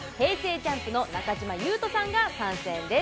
ＪＵＭＰの中島裕翔さんが参戦です。